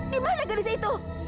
dimana gadis itu